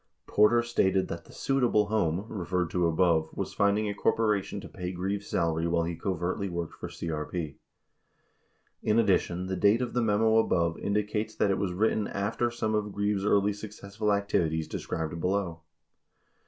45 Porter stated that the "suitable" home, referred to above, was finding a corporation to pay Greaves' salary while he covertly worked for CEP. 46 In addition, the date of the memo above indicates that it was written after some of Greaves' early successful activities described below.